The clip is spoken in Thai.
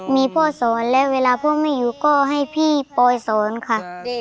มีพ่อสอนแล้วเวลาพ่อไม่อยู่ก็ให้พี่ปอยสอนค่ะ